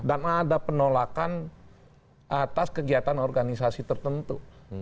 dan ada penolakan atas kegiatan organisasi tertentu